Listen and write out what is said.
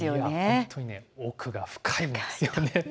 本当にね、奥が深いんですよね。